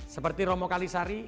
seperti romo kalisari